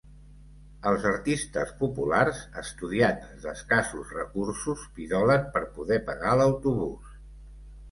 Els artistes populars, estudiants d'escassos recursos, pidolen per poder pagar l'autobús.